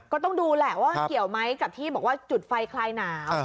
ก็ต้องดูแหละว่ามันเกี่ยวไหมกับที่บอกว่าจุดไฟคลายหนาว